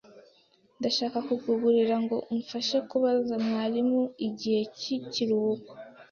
Ndashaka kukugira ngo umfashe kubaza mwarimu igihe cyikiruhuko.